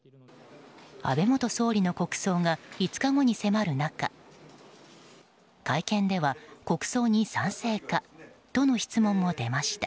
安倍元総理の国葬が５日後に迫る中会見では、国葬に賛成かとの質問も出ました。